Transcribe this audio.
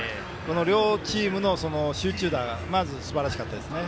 両チームの集中打がまずすばらしかったですね。